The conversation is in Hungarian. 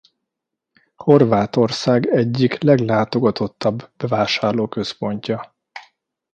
Horvátország egyik leglátogatottabb bevásárlóközpontja.